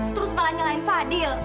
terus malah nyalahin fadil